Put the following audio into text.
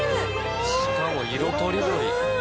しかも色とりどり。